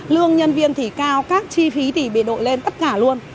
lương nhân viên thì cao các chi phí thì bị đội lên tất cả luôn